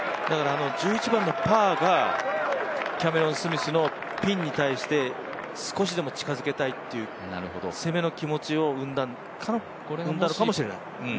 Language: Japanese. だから１１番のパーがキャメロン・スミスのピンに対して少しでも近づけたいという攻めの気持ちを生んだのかもしれない。